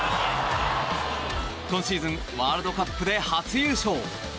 今シーズンワールドカップで初優勝。